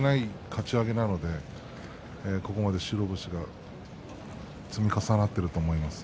かち上げなのでここまで白星が積み重なっていると思います。